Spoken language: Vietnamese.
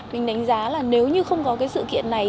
mình đánh giá là nếu như không có cái sự kiện này